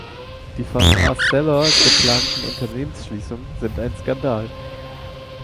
Die von Arcelor geplanten Unternehmensschließungen sind ein Skandal.